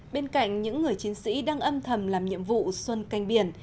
bên cạnh những người chiến sĩ đang âm thầm làm nhiệm vụ xuân canh biển